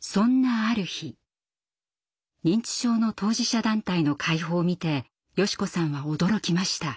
そんなある日認知症の当事者団体の会報を見て佳子さんは驚きました。